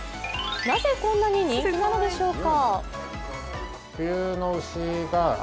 なぜこんなに人気なのでしょうか？